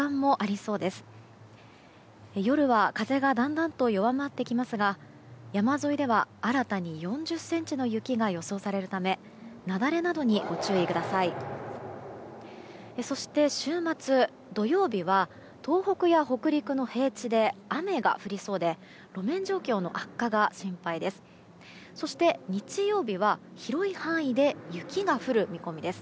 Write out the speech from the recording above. そして週末、土曜日は東北や北陸の平地で雨が降りそうで路面状況の悪化が心配です。